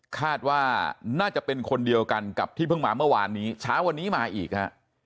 คาดว่าน่าจะเป็นคนเดียวกันกับที่เพิ่งมาเมื่อวานนี้เช้าวันนี้มาอีกฮะ